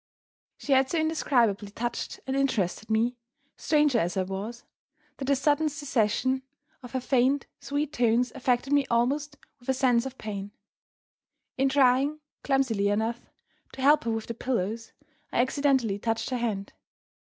She had so indescribably touched and interested me, stranger as I was, that the sudden cessation of her faint, sweet tones affected me almost with a sense of pain. In trying (clumsily enough) to help her with the pillows, I accidentally touched her hand.